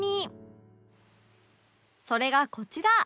それがこちら